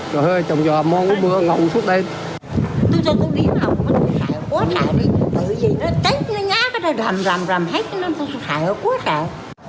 tôi cho cô lý mộng tôi xảy ở quốc đại đi bởi vì nó cháy nó ngã nó rằm rằm rằm hết tôi xảy ở quốc đại